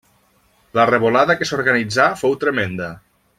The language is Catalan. La revolada que s'organitzà fou tremenda.